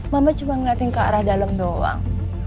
mama cuma ngeliatin ke arah dalam doang